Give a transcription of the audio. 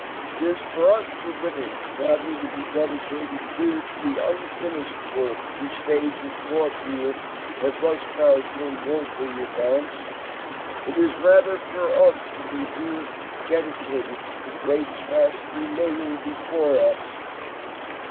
It is for us the living, rather, to be dedicated here to the unfinished work which they who fought here have thus far so nobly advanced. It is rather for us to be here dedicated to the great task remaining before us.